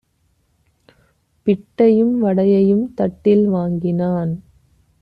பிட்டையும் வடையையும் தட்டில் வாங்கினான்